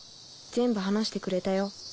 全部話してくれたよ